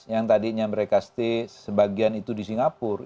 yang tadinya mereka stay sebagian itu di singapura